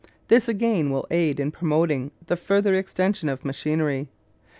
This again will aid in promoting the further extension of machinery.